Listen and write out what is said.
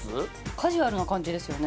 カジュアルな感じですよね。